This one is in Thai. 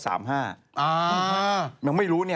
อ่ามันไม่รู้เนี่ย